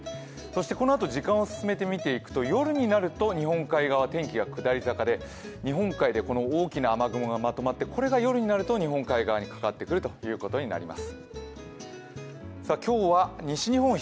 このあと時間を進めてみていくと夜になると日本海側、天気が下り坂で日本海で大きな雨雲がまとまって、これが夜になると日本海側にかかってくることになります。